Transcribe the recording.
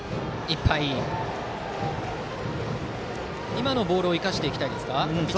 今のボールを生かしていきたいですか。